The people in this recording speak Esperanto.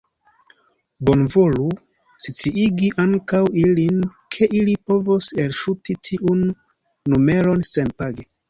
Bonvolu sciigi ankaŭ ilin, ke ili povos elŝuti tiun numeron senpage.